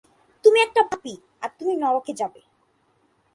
তুমি একটি পাপী, আর তুমি নরকে যাবে।